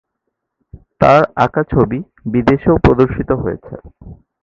তার আঁকা ছবি বিদেশেও প্রদর্শিত হয়েছে।